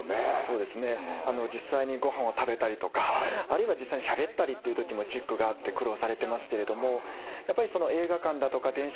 実際にごはんを食べたりとかあるいは実際にしゃべったりという時もチックがあって苦労されてますけれどもやっぱりその映画館だとか電車だとか